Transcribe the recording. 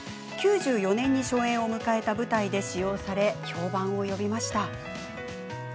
９４年に初演を迎えた舞台で使用され、評判を呼びました。